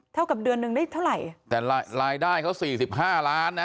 กับเดือนหนึ่งได้เท่าไหร่แต่รายได้เขาสี่สิบห้าล้านนะ